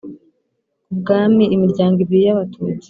ku bwami: imiryango ibiri y' abatutsi;